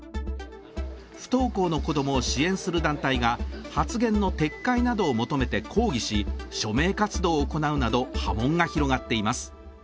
不登校の子供を支援する団体が発言の撤回などを求めて抗議し署名活動を行うなど波紋が広がっています。